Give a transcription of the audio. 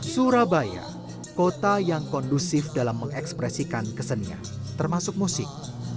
surabaya kota yang kondusif dalam mengekspresikan kesenian termasuk musik